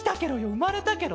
うまれたケロ。